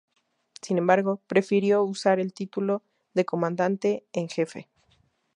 Sin embargo, prefirió usar el título de comandante en jefe.